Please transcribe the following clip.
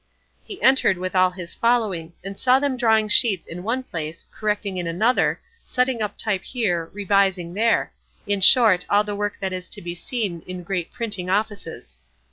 He entered with all his following, and saw them drawing sheets in one place, correcting in another, setting up type here, revising there; in short all the work that is to be seen in great printing offices.